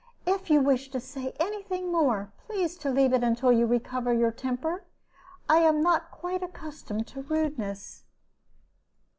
"If you wish to say any thing more, please to leave it until you recover your temper. I am not quite accustomed to rudeness."